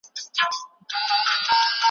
دا وطن دی د رنځورو او خوږمنو `